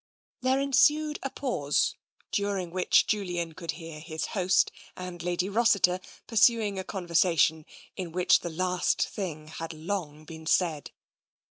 There ensued a pause, during which Julian could hear his host and Lady Rossiter pursuing a conversa tion in which the last thing had long been said.